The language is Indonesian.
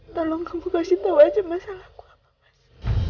tolong kamu kasih tau aja masalah aku apa mas